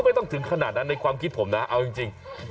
ไม่ต้องถึงขนาดนั้นในความคิดผมนะเอาจริง